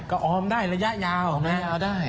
ก็ออมได้ระยะยาวออมระยะยาวได้